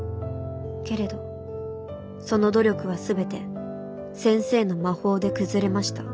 けれどその努力はすべて先生の『魔法』で崩れました。